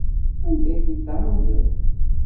Anda ay tent-tɛawnem?